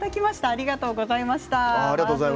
ありがとうございます。